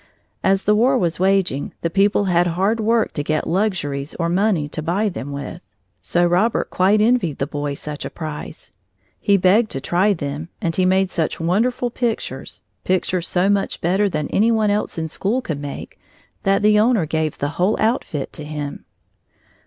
As the war was waging, the people had hard work to get luxuries or money to buy them with, so Robert quite envied the boy such a prize. He begged to try them, and he made such wonderful pictures, pictures so much better than any one else in school could make, that the owner gave the whole outfit to him.